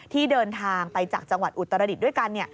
ที่เดินทางไปจากจังหวัดอุตรดิษฐ์ด้วยกัน